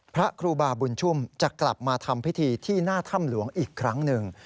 พระครูบาบุญชุมจะกลับมาทำพิธีที่หน้าถ้ำหลวงอีกครั้งหนึ่ง